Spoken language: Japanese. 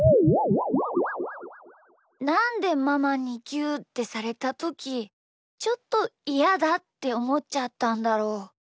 なんでママにぎゅうってされたときちょっとイヤだっておもっちゃったんだろう。